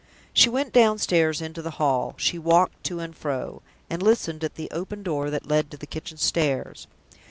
She went downstairs into the hall; she walked to and fro, and listened at the open door that led to the kitchen stairs.